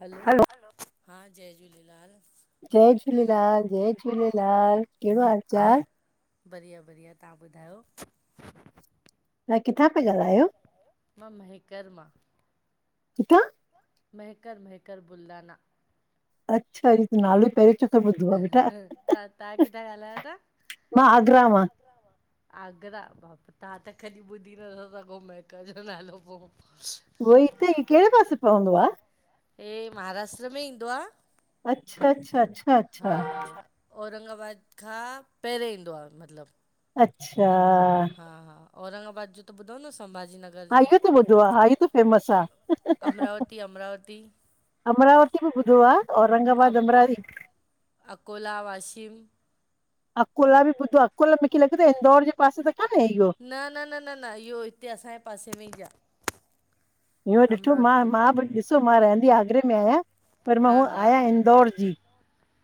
हलो, हा जय झूलेलाल। जय झूलेलाल, जय झूलेलाल। कहिड़ो हाल हा चाल? बढ़िया- बढ़िया तां ॿुधायो? तां किथां पिया ॻाल्हायो? मां महकरमा। किथां? महकर -महकर बुलदाना। अच्छा इ त नालो ई पहिरियों चक्कर ॿुधो आ बेटा। तव्हां तव्हां किथां ॻाल्हायो था मां आगरा मा। आगरा बाप तव्हां त कॾीं ॿुधी नथा सघो महकर जो नालो पो, उहोई त ई कहिड़े पासे पवंदो आ? हे महाराष्ट्र में ईंदो आ। अच्छा- अच्छा -अच्छा- अच्छा। हा औरंगाबाद खां पहिरे ईंदो आ मतिलबु। अच्छा। हा -हा, औरंगाबाद जो त ॿुधो न सभाजी नगर हा जो इयो त ॿुधो आ, हा इ त फेमस आ। अमरावती अमरावती अमरावती बि ॿुधो आ, अ औरंगाबाद अमरावती अकोला, वाशिम। अकोला बि ॿुधो आ। अकोला, मूंखे लॻे थो इंदौर जे पासे त कान्हे इहो। न न न न न इहो हिते असांजे पासे में ई ज आहे। इहो ॾिठो मां, मां बि, ॾिसो मां रहंदी आगरे में आहियां पर मां हा हूअ हा आहियां इंदौर जी।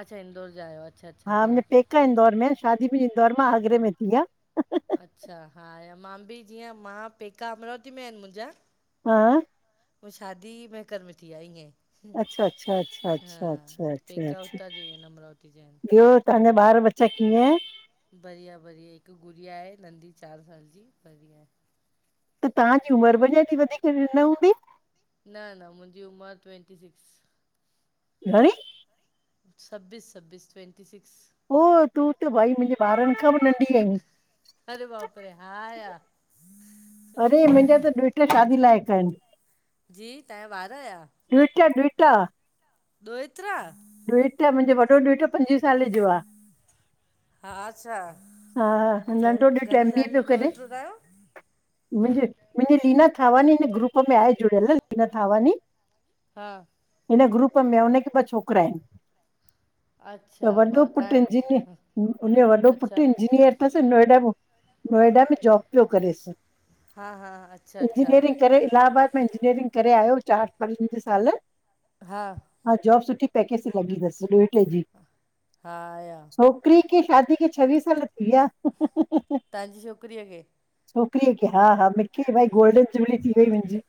अच्छा इंदौर जा आहियो। अच्छा अच्छा हा मुंहिंजा पैका आहेन इंदौर में, शादी मुंहिंजी इंदौर मां आगरे में थी आहे। अच्छा। हा, मां बि जीअं मां पेका अमरावती में आहिनि मुंहिंजा हा पो शादी में कर में थी आई हे अच्छा, अच्छा, अच्छा, अच्छा, अछ, पेका अछ, हुतां जो ई आहिनि अमरावती जा आहिनि ॿियो? तांजा ॿार बच्चा कीअं? बढ़िया, बढ़िया। हिक गुड़िया आहे नंढी चार साल जी, बढ़िया आहे। त तहांजी उमिर ॾाॾी जी वधीक न हूंदी? न, न मुंहिंजी उमिर ट्वेंटी सिक्स। घणी? छब्बीस, छब्बीस। Twenty six. हो! तूं त भई मुंहिंजे ॿारनि खां भी नंढी आहीं। अरे बापरे हा या अरे मुंहिंजा त ॾुहिटाओ शादी लाइक आहिन। जी तहांजा ॿार या? ॾूहिटा, ॾूहिटा। दोएत्रा। ॾूहिटा। मुंहिंजो वॾो ॾूहिटरो पंजवीह सालें जो आ। हा छा! हा घर नंढो ॾुहिटरो घणे एमबीए साल जो पियो करे। ॾोहिटो तव्हांजो? मुंहिंजी मुंहिंजी लीना थावाानी हिन ग्रुप में आहे। जुडियल लीना थवानी। हा हिन ग्रुप में आ, हुनखे ॿ छोकिरा आहिनि। त अच्छा ॿ वॾो पुट इंजीनियर, तव्हां उजो वॾो पुटु अच्छा जिनियर थस नोएडा मूं, नोएडा बि जॉब पियो करेस। हा हा अच्छा अच्छा इंजिनियरिंग पहिरे इलाहाबाद में इंजीनियरिंग करे आयो, चार पंज साल हा। हा, जॉब सुठी पैकेज ते लॻी थसि जी, हा आया छोकरी जी शादी किथे चोवीह साल थीया तव्हांजी छोकिरीअ खे छोकिरीअ खे। हा हा, मूंखे भई गोल्डन जुबली थी वई मुंहिंजी।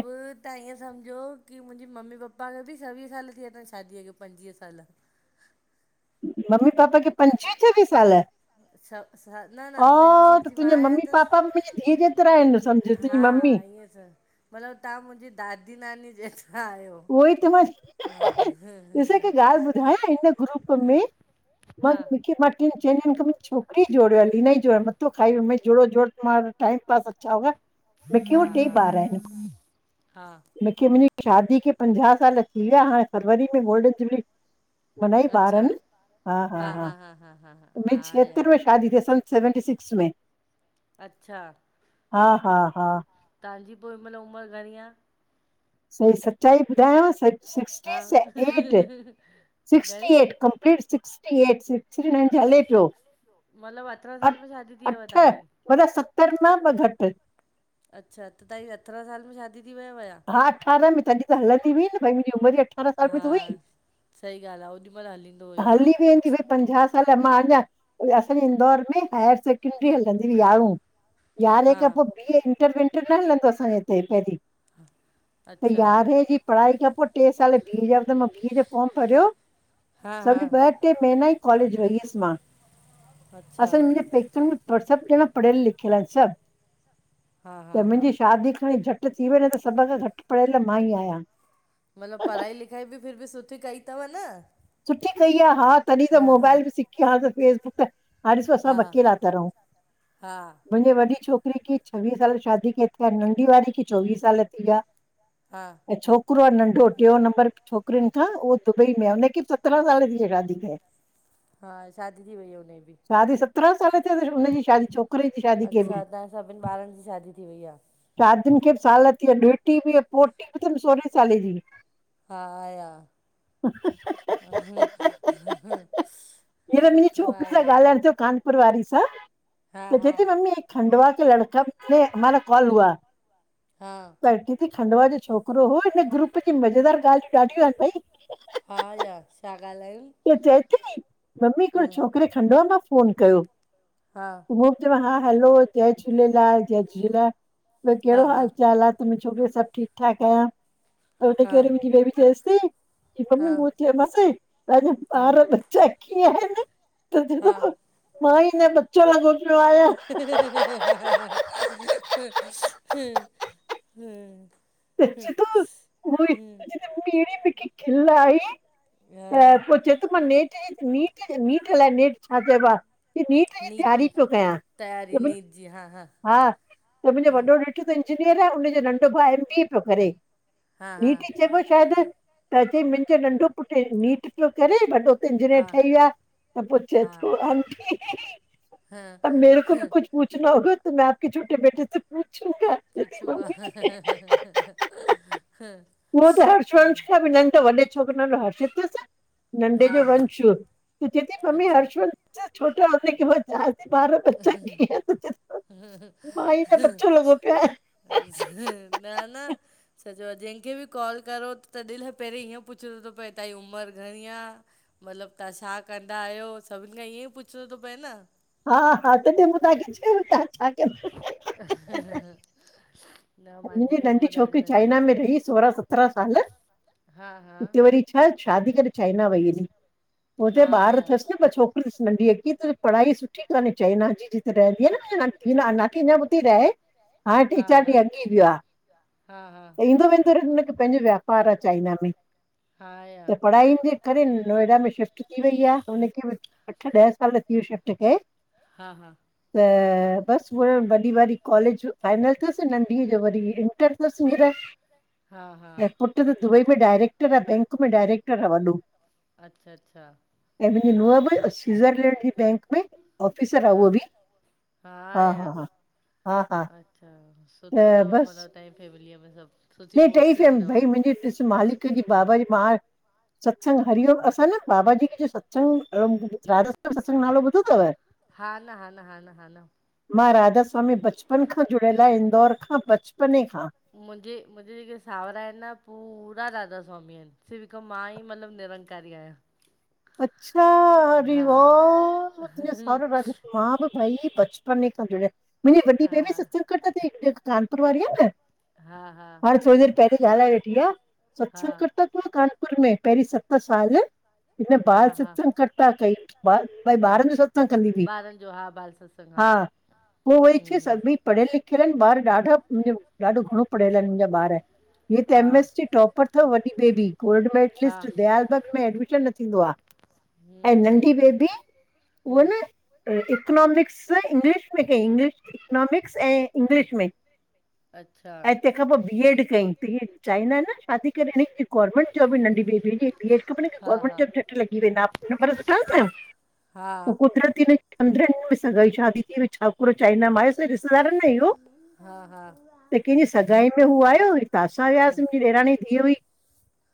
सभ तव्हां ईअं सम्झो की मुंहिंजी मम्मी पप्पा खे बि छवीह साल थीया अथव शादीअ खे पंजवीह साल मम्मी पापा खे पंजवीह छवीह साल? छह न न हा, ट्वेंटी सिक्स त जी मां तुंहिंजे आहियां मम्मी त पापा मुंहिंजी धीअ जेतिरा त अयंन। सम्झ, तुंहिंजी मम्मी अ मतिलबु, तहां मुंहिंजी दादी नानी जेतिरा आहियो। उहो ई त मां, ॾिस हीक ॻाल्हि ॿुधायां हिन ग्रुप में, मां हा मूंखे म टिनि चइ ॾींहंनि मुंहिंज छकरी जोड़ आहे इ हिनन ई जोड़ियो मथो ख वियोई जोड़ जोड़ो आ टाइम ब अच्छा, हो मुखे हा भी टै हा बार आहिन हा की मुंहिंजी शादी खे पंझाह साल थी विया हाणें फरवरी में गोल्डन जुबली। मनाई अच्छा ॿारनि, हा- हा- हा उन्नईस छहत्तर में शादी थी सन् सेवेंटी सिक्स में। अच्छा, हा हा हा तहांजी पो हिनमल उमर घणीं आ? सही, सच्चाई ॿुधायांव सच सिक्सटी हा स एट सिक्सटी घणी eight complete sixty eight six Shri Nayan ji हले पियो मतिलबु अरिड़हं अ साल में शादी थी वियव अठ तव्हांजी? मतलब सत्तर मां ॿ घटि। अच्छा त तहांजी अथरहा साल में शादी थी वयव छा? हा अठारह में, तॾी त हलंदी हुई न भई मुंजी उमिरि अठ अठारहा साल में हा त हुई सही ॻाल्हि आ ओॾी महिल हलींदो हुयो न हली वेंदी हुई। पंझा साल मां अंञां, असांजे इंदौर में हायर सेकेंड्री हलंदी हुई यारहों। यारहें हा खां पो बी ए इंटर विंटर न हलंदो हो असांजे हिते पहिरीं। [inaudible] त यारहें जी पढ़ाई खां पो ट्रे साल बी ए जा त मां बी ए जो फॉर्म भरियो। हा -हा हिते मैन आई कॉलेज वई हुअसि मां अच्छा असांजे मुंहिंजे पेकनि में पर सभु ॼणा पढ़ियल लिखियल हिनि सभु हा हा त हा मुंहिंजी शादी खंणी झटि थी वई न त सभ खां घटि पढ़ियल मां ई आहियां। मतलबु पढ़ाई लिखाई बि फिर बि सुठी कई तव न सुठी कई आ हा, तॾी त हा हा मोबाइल बि सिखी आ हाणे त फेसबुक त हाणे‌ं ॾिसो हा सब अकेला ता रहूं हा। मुंहिंजे वॾी छोकिरी खे छवीह साल शादी कए थिया, नंढी वारी खे चोवीह साल थी विया। हा। अंएं छोकरो आ नंढो टियों नंबर छोकिरियुन खां उहो दुबई में आ हुन खे बि सतरहां साल ा दै [unintelligible] हा शादी थी वई आ हुनजी बि शादी सत्रहां साल थिया तस हुनजी शादी छोकिरे जी। शादी खे बि। अच्छा तहांजे सॿिन ॿारनि जी शादी थी वई आ। शादियुनि खे बि साल थी विआ ॾोहिटी बि आ पोटी बि अथमि सोरहें साले जी। हा, या। हींअर मुंहिंजी सुठो छोकिरी आहे। सां थियो कानपुर वारी सां हा त हा चए ती मम्मी खंडवा के लड़का खे हमारा कॉल हुआ। हा। त चए ती खंडवा जो छोकिरो हो हिन ग्रुप जी मज़ेदार ॻाल्हियूं ॾाढियूं अथई। हा, या छा ॻाल्हायंउं? त चए ती मम्मी हिकड़े छोकिरे खंडवा मां फोन कयो हा। हो बि चइपो हा हलो जय झूलेलाल जय झूलेलाल, ॿियो हा कहिड़ो हा हाल चाल आ? त मुंहिंजी छोकिरी सभु ठीकु ठाक आहियां। त हा हुनखे वरी मुंहिंजी बेबी चएसती, कि मम्मी हा मूं चयोमास पहिंजो ॿार ह ॾ चए कीअं आहिनि तुंहिंजे हा दफ़ो मां ई हिन चरियो छोकिरो आ या ह हम हम हम्म हम्म एड़ी मिखे खिल आई त ह पो चे तो माने नीट नीट [unintelligible] अलाइ नेट छा चइबो आ नीट जी तैयारी पियो कयां तयारी नीट जी हा हा त मुंहिंजो हा वॾो ॾे र‌‌ इंजीनियर आ उनजो नंढो भाउ एम बी पियो करे हा हा नीट ई चए पियो शायदि त चई मुंहिंजो नंढो पुटु नीट पियो करे वॾो इंजीनियर हा ठही वियो आं त पोइ चये हा तो अंटी हा त मेेरे को कुछ पूछना होगा तो मैं आपके छोटे बेटे से पूछूंंगा। पूछूंंगा ह ह ह उहो त हर्षवंश [unintelligible] खां बि नन्ढो त वॾे छोकिरे जो नालो हर्षित अथसि नंढे हा जो हा वंश त चये थी मम्मी अच्छा हर्ष वंश से छोटा होता है कि [unintelligible] बारह [unintelligible] बचा ग त ह मां ई त ह बच्चो लॻो पियो आहे ह न न सच आहे जंहिंखे बि कॉल करो त दिलि पहिरीं ईअं पुछिणो थो पए तांजी उमिरि घणी आहे मतलबु तव्हां छा कंदा आहियो सभिनि खां ईअं ई पुछिणो थो पए न हा हा तॾे मूं तव्हांखे चयो [unintelligible] ह ह मुंहिंजी नंढी छोकिरी चाइना में रही सोराहं सत्राह साल हा हा हिते वरी छा [unintelligible] शादी करे चाइना वई हुई हुते हा ॿार या अथसि न ॿ छोकिर ब नंढी अच्छी वई [unintelligible] त पढ़ाई सुठी कान्हे चाइना जी रहंदी न नाकीञ ॿुधी रहे हाणे टे हा चार हा ॾींहं व [unintelligible] हा हा त ईंदो वेंदो रखे पंहिंजो वापार आहे चाइना में हा या त पढ़ाईनि जे करे नोएडा में शिफ्ट थी वई आहे हुनखे बि अठ ॾह कल त्यूशट [unintelligible] क हा हा त बसि उअ वॾी वार कॉलेज फाइनल थसि नं ढी जो वरी इंटर अथस हा हा एयरपोर्ट त दुबई में डायरेक्टर आहे बैंक में डायरेक्टर आहे वॾो अच्छा अच्छा ऐं मुंहिंजी नूंहुं बि स्वि्ज़रलैंड जी बैंक में ऑफिसर आं हा उहा बि हा हा हा हा हा अच्छा सुठो त अथव बसि मतलब तव्हांजी फैमिलीअ में सभु सुठी न टही पोस्ट ते फमि [unintelligible] अथव भई मुंहिंजी ॾिसु मालिक कंहिंजंहिंजी बाबा जी म [unintelligible] सत्संग हरिओम असां न [unintelligible] बाबा जी कंहिंजो सत्संगत हा न हा न हा न हा न मां राधा स्वामी बचपन खां जुड़ियल आहियां इंदौर खां बचपन खां मुंहिंजे मुंहिंजे जेके सावरा आहिन न पूरा राधा स्वामी आहिनि सिर्फ़ हिकु मां ई मतलबु निरंक करे आयो अचछा रीवा त सारो राध [unintelligible] मां बि भाई बचपन ई खां जुड़िया मुंहिंजी वॾी भेण में हा सचन [unintelligible] क त चई कानपुर वारीअ आहे न हा हा हाणे थोरी देरि पहिरीं ॻाल्हाए वेठी आहे हा सत्संगट [unintelligible] त को कानपुर में पहिरीं सत साल इ हा बाल हा सत्संग करता [unintelligible] कई भई हा ॿारनि जो सत्संग कंदी तई ॿारनि जो हा बाल सत्संग [unintelligible] पो वरी हूं सभई पढ़ियल लिखियल आहिन ॿार ॾाडा मुंहिंजो ॾाडो घणो पढ़ियल आहिन मुंहिंजा ॿार हीअ हा कैमिस्ट्री टॉपर थव वॾी बेबी गोल्ड हा मेडलिस्ट [unintelligible] में ट्युशन थींदो आ हूं ऐं हूं हूं नंढी बेबी उह हूं न इकनॉमिक्स इंग्लिश में कयईं इंग्लिश इकनॉमिक्स ऐं इंग्लिश में अच्छा ऐं तंहिंखां पोए बीएड कयई, चाहींदा आहिन न छा थी करे हिन गवर्मेंट ॿी नंढी बेबी बीएड खपनि हा गवर्मेंट हा लॻी वेंदा, पर सुठा आहिन हा न कुदरती पंद्रन ॾीहन में शादी थीई वई छोकरो चाइना मां आयुस ॾिस न इहो हा हा त कंहिंजी सगाई में हू आयो त असां वियासीं ह मुंहिंजी ॾेरानी जी धीउ हुई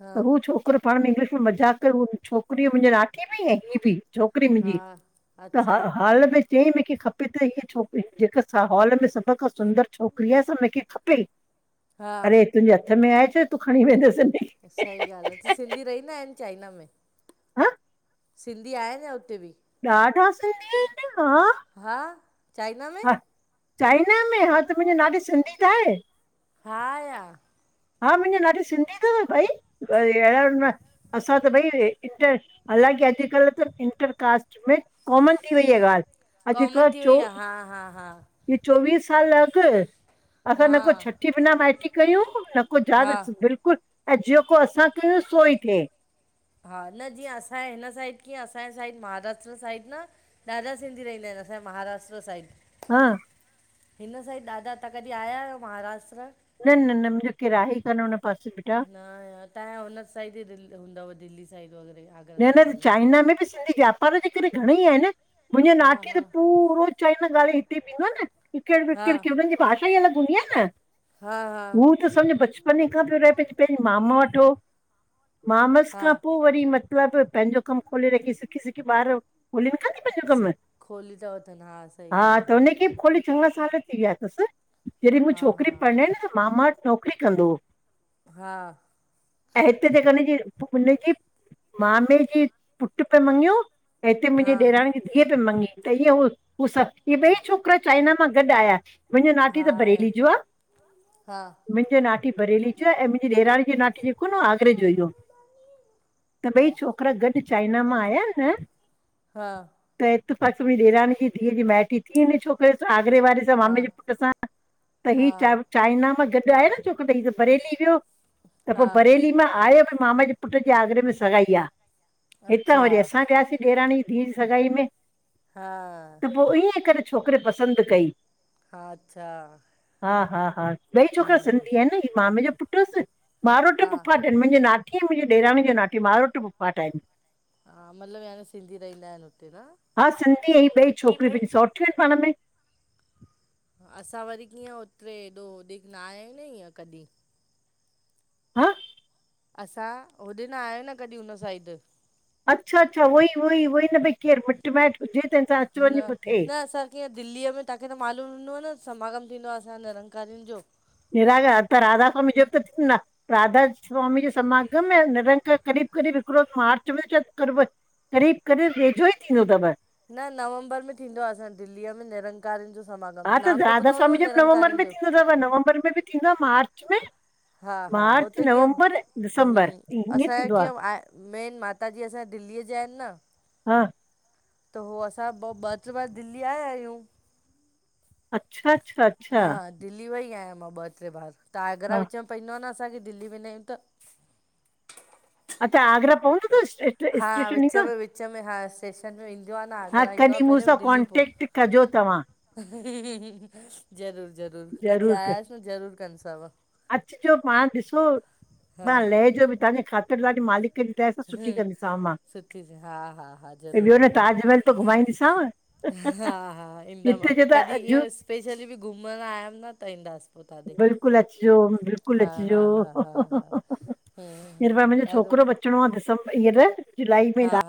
हा उ छोकरो पाण में इंग्लिश में मज़ाक करे उ छोकरी मुंहिंजे नाठीअ बि ऐं हीअ बि छोकरी हा मुंहिंजी अच्छा हर हाल में चयई मूंखे खपे त हीअ छोकरी जेका असां हॉल में सभ खां सुंदर छोकरी आ सां मूंखे खपे हा अरे तुंहिंजे हथ में आहे छा तूं खणी वेंदेस सही ॻाल आ त सिंधी रहींदा आहिन चाइना में हा सिंधी आहे छा उते भी ॾाडा सिंधी आहिन हा हा चाइना में? हा चाइना में हा त मुंहिंजो नाठी सिंधी त आहे हा हा मुंहिंजो नाठी सिंधी थव रियल में असां त भई इंटर हालांकी अॼुकल त इंटरकास्ट में कॉमन थी वई आ ॻाल कॉमन थी वई आ हा हा हा चोवीह साल अॻु असां न को हा छठीअ बिना माइटी कयूं न को दादा हा बिल्कुल ऐं जेको असां कयूं सो ई थिए हा न जीअं असांजे हिन साइड कीअं असांजे साइड महाराष्ट्र साइड न ॾाडा सिंधी रइंदा आहिन असांजे महाराष्ट्र साइड हा हिन साइड तवां कॾी आया आयो महाराष्ट्र न न न मुंहिंजो केर आहे ई कान हुन पासे बेटा न तां जा हुन साइड ई हूंदा दिल्ली साइड वगैरह न न चाइना में बि सिंधी व्यापार जे करे घणेई आहिन मुंहिंजे हा नाठी हा त पूरो चाइना गालाए, हिते बि ईंदो आ कोप न किकेट हा विकेट खे जे भाषा ई अलॻ हूंदी आ न हा हा हू त समझो बचपन खां रहे उते, पहिनी मामा वट हो मामस हा खां पो वरी मतिलब पंहिंजो कमु खोले रखी सिखी सिखी, ॿार खोलीन कोन थी पंहिंजो कम सिक खोली त हा त हुन खे बि खोली चङा साल थी विया थस जॾहिं मूं हा छोकरी पणनाई न त मामा वट नौकरी कंदो हो हा ऐं हिते जेको ॾिसीस मामे जे पुटु पेई मन्गजै त हिते हा मुंहिंजी ॾेराण जी धीअउ पई मन्गजै ईअं हू। हू। सभु इहे ॿई छोकिरा चाइना मां गॾु आया मुंहिंजो नाठी त हा बरेली जो आ। हा मुंहिंजी नाठी बरेली च ऐं मुंहिंजी ॾेराणी जी नाठी जेको न आगरे जो इो। त भई छोकिरा गॾु चाइना मां आया न। हा त हितफाक मुंहिंजी ॾेरानी जी धीअ जी माइटी थी हिने छोकिरे सा आगरे वारे सा। हा मामे जे पुट सां त ही च हा चाइना मां गॾु आहे न। ई त बरेली वियो त पोइ हा बरेली मां आयो मामा जे पुट जे आगरे में। सगाई आ हितां अच्छा वरी असां वियासीं ॾेराणी जि दिअ जि सगाई में। हा। त पोइ ईअं करे छोकिरी पसंदि कई। हा अच्छा। हा, हा, हा। ॿई छोकिरा हम्म सिंधी आहिनि न हीउ मामे जो पुट हूस मारोट जो हा फूफाट। मुंहिंजी नाठी मुंहिंज ॾेराणी जो नाठी मारोट फुफाट आहिनि। हा मतिलबु न सिंधी रहंदा आहिनि हुते न? हा। सिंधी ऐं ॿई छोकिरियूं पंहिंजूं सौठियूं आहिनि पाण में। असां वरी कीअं उतिरे। एॾो होॾीक न आहे, ईीअं कॾहिं। हअ। असां होॾे न आहियायूं न कॾहिं हुन साइड। अच्छा, अच्छा, उहो ई उहई उहो ई न भई केरु मिटु माइटु हुजे तंहिंसां अचु वञु न बि थिए। न असां कीअं दिल्लीअ में तव्हांखे त मालूम हूंदो आहे न समागम थींदो आहे असांजे निरंकारियनि जो। नीराकार त राधा स्वामी जो त थीदो आ। राधा सवामी जो समागम में निरंक करीब, करीब। हिकिड़ो त मार्च मेंकरे करीब करीब वेजोई थींदो तव [unintelligible] न, नवंबर में थींदो आ। असां दिल्लीअ में निरंक रंकारियनि जो समागम नाम त ॿुधंदो निंकारनि जो थव नवंबर में बि थींदा मार्च में हा, हा, हो मार्च त कीअं नवंबर दिसंबर ईअं असांजो थींदो आहे कीअं आ मेन माताजीअ असांजे दिल्लीअ जा आहिनि न। हा। त उो असां ॿ ॿ टे बार दिल्ली आया आहियूं। अच्छा, अच्छा। अच्छा हा, दिल्ली वेई आहियां मां ॿ टे बार। त आगरा हा विचण में पईंद न असांजे दिल्ली वेंदा आहियूं त। अच्छा त आग्रा पवंदो तस। हा, विच में-विच में हा, स्टेशन में ईंदो आ न हा आगरह ईंदो आ कॾहिं मूं पहिरियों सां दिल्ली पोइ। कॉन्टेक्ट कजो तव्हां ह ह - - ज़रूर ज़रूर कॾहिं ज़रूरु क आयास न ज़रूर कनि सावा। त लेजो तव्हांजे ख़ातिर तव्हांजी मालि त सुठी हम्म, कंदीसांव मां सुठी हा हा हा ज़रूरु ॿियो न ज़रूरु ताजमहल त घुमाईंदीसांव। हा, हा, ईंदम हिते जो त कॾहिं अॼु इअं स्पेशली बि घुमणु आयमि न त ईंदासि। बिल्कुलु अचिजो, बिल्कुलु हा अचिजो। हा हा हा इस भार हम्म मुंहिंजो ॾाढो छोकिरो बि अचिणो आ दिस हींअर जुलाई हा में।